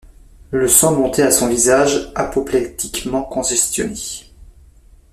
Le sang montait à son visage, apoplectiquement congestionné.